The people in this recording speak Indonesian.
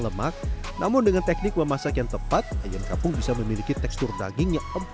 sisanya baru agak ada sedikit pedes pedesnya